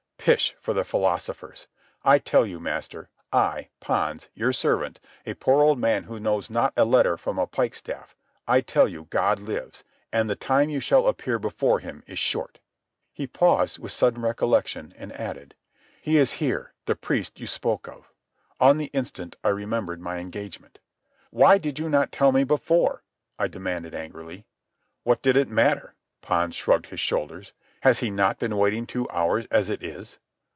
Pish for the philosophers! I tell you, master, I, Pons, your servant, a poor old man who knows not a letter from a pike staff—I tell you God lives, and the time you shall appear before him is short." He paused with sudden recollection, and added: "He is here, the priest you spoke of." On the instant I remembered my engagement. "Why did you not tell me before?" I demanded angrily. "What did it matter?" Pons shrugged his shoulders. "Has he not been waiting two hours as it is?"